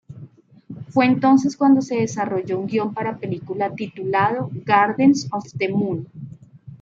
Fue entonces cuando se desarrolló un guion para película titulado "Gardens of the Moon".